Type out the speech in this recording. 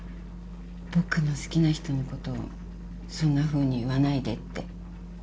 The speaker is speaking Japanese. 「僕の好きな人のことをそんなふうに言わないで」って。